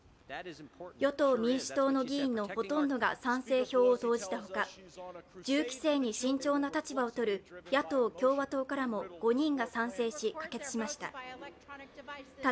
与党・民主党の議員のほとんどが賛成票を投じたほか、銃規制に慎重な立場をとる野党・共和党からも５人が賛成し、可決しました。